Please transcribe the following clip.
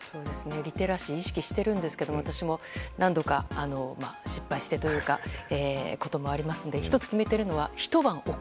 リテラシーを意識してるんですが私も何度か失敗していることもありますので１つ決めているのはひと晩置く。